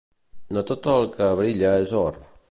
No tot el que brilla és or